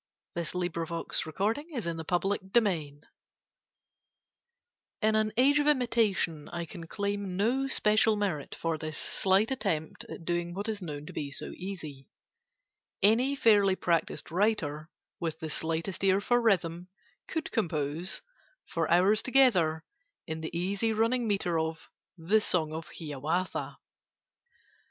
[Picture: I have a horse] HIAWATHA'S PHOTOGRAPHING [In an age of imitation, I can claim no special merit for this slight attempt at doing what is known to be so easy. Any fairly practised writer, with the slightest ear for rhythm, could compose, for hours together, in the easy running metre of 'The Song of Hiawatha.